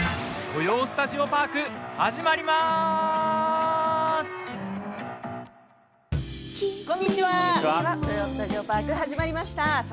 「土曜スタジオパーク」始まりました。